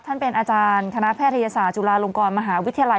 ท่านเป็นอาจารย์คณะแพทยศาสตร์จุฬาลงกรมหาวิทยาลัย